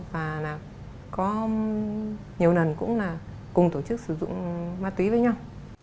và là có nhiều lần cũng là cùng tổ chức sử dụng ma túy với nhau